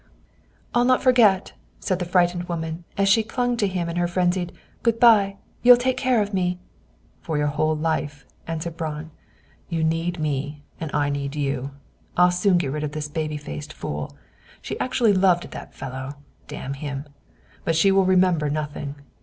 "I'll not forget," cried the frightened woman, as she clung to him in her frenzied "Good bye. You'll take care of me!" "For your whole life," answered Braun. "You need me, and I need you. I'll soon get rid of this baby faced fool! She actually loved that fellow, damn him! But she will remember nothing.